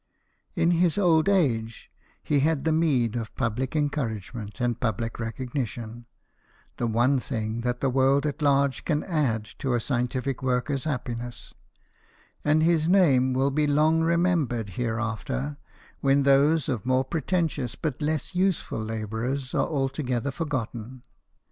In his old age, he had the meed of public encouragement and public recognition, the one thing that the world at large can add to a scientific worker's happiness ; and his name will be long remembered hereafter, when those of more pretentious but less useful labourers are altogether forgotten.